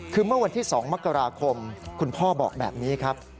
คือเมื่อวันที่๒มกราคมคุณพ่อบอกแบบนี้ครับ